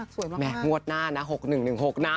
แม่งวดหน้านะ๖๑๑๖นะ